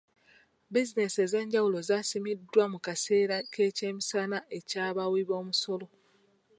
Bizinensi ez'enjawulo zaasiimiddwa mu kaseera k'ekyemisana eky'abawi b'omusolo.